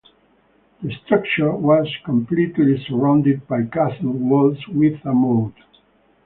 The structure was completely surrounded by castle walls with a moat.